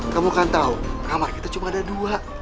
kamu kan tahu kamar kita cuma ada dua